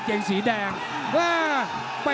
เอ้า